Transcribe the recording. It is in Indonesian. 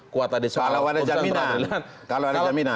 kuat tadi soal putusan peradilan